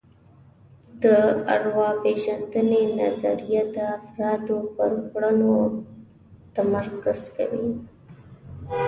د ارواپېژندنې نظریه د افرادو پر کړنو تمرکز کوي